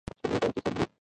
د سپوږمۍ غیږه کې سر ږدي